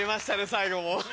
最後も。